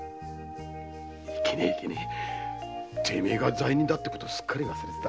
いけねえてめえが罪人だってことすっかり忘れてた。